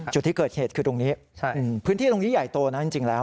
จุดที่เกิดเหตุคือตรงนี้พื้นที่ตรงนี้ใหญ่โตนะจริงแล้ว